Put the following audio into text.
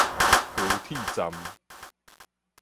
高鐵站